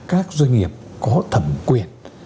các doanh nghiệp có thẩm quyền